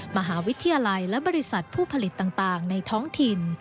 มหาวิทยาลัยและบริษัทผู้ผลิตต่างในท้องถิ่น